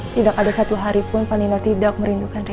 tidak ada satu hari pun pak nino tidak merindukan rena